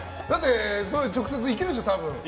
直接行けるでしょ、多分。